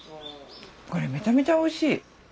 これめちゃめちゃおいしい！